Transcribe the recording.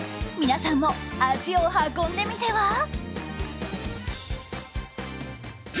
皆さんも足を運んでみては？